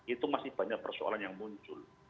itu masih banyak persoalan yang muncul